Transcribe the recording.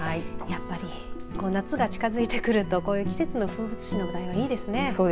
やっぱり、こう夏が近づいてくると季節の風物詩の話題いいですね。